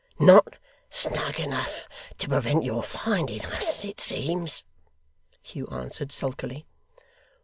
'Not snug enough to prevent your finding us, it seems,' Hugh answered, sulkily.